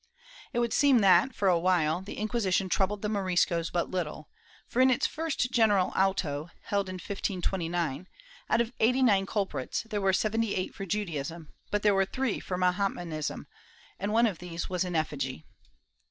^ It would seem that, for awhile, the Inquisition troubled the Moriscos but little for, in its first general auto, held in 1529, out of eighty nine culprits, while there were seventy eight for Judaism there were but three for Mahometanism, and one of these was in efSgy.